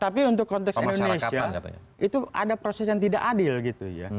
tapi untuk konteks indonesia itu ada proses yang tidak adil gitu ya